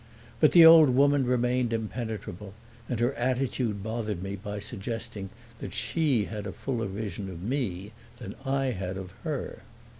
But the old woman remained impenetrable and her attitude bothered me by suggesting that she had a fuller vision of me than I had of her.